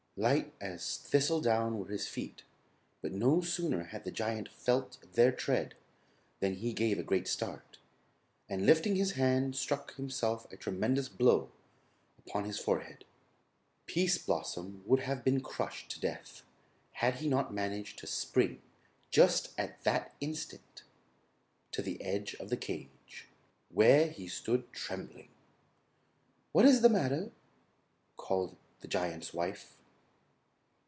Light as thistle down were his feet, but no sooner had the Giant felt their tread than he gave a great start, and lifting his hand struck himself a tremendous blow upon his forehead. Pease Blossom would have been crushed to death had he not managed to spring, just at that instant, to the edge of the cage, where he stood trembling. "What is the matter?" called the Giant's wife.